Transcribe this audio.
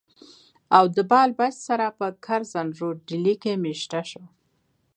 او د بال بچ سره پۀ کرزن روډ ډيلي کښې ميشته شو